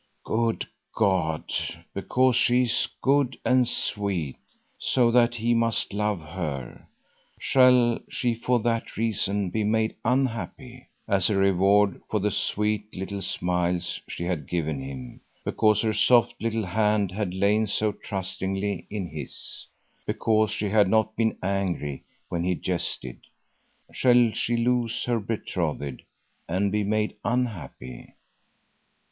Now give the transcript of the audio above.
Good God, because she is good and sweet, so that he must love her, shall she for that reason be made unhappy! As a reward for the sweet little smiles she had given him; because her soft little hand had lain so trustingly in his; because she had not been angry when he jested, shall she lose her betrothed and be made unhappy?